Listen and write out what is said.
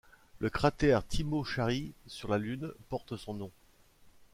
Le cratère Timocharis sur la Lune porte son nom.